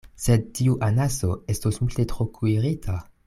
Sed tiu anaso estos multe tro kuirita!